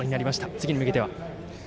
次に向けては？